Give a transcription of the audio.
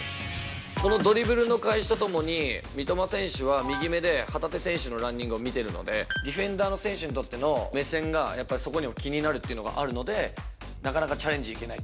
このドリブルの開始とともに、三笘選手は右目で、旗手選手のランニングを見てるので、ディフェンダーの選手にとっての、目線がやっぱそこに気になるっていうのがあるので、なかなかチャレンジにいけない。